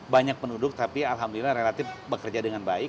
banyak penduduk tapi alhamdulillah relatif bekerja dengan baik